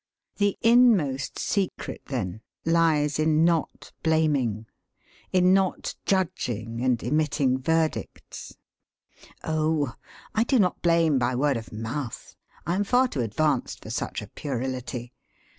The inmost secret, then, lies in not blaming, in not judging and emitting verdicts. Oh! I do not blame by word of mouth! I am far too advanced for such a puerility.